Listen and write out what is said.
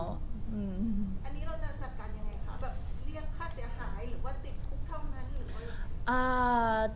อันนี้เราจะจัดการยังไงคะแบบเรียกค่าเสียหายหรือว่าติดคุกเท่านั้นหรือว่า